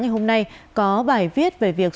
ngày hôm nay có bài viết về việc